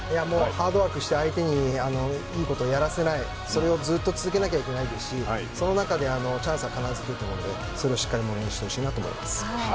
ハードワークして相手に良いことをやらせないそれをずっと続けなければいけないですしその中でチャンスは必ず来ると思うのでそれをしっかりものにしてほしいと思います。